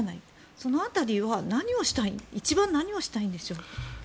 その辺りは一番何をしたいんでしょう。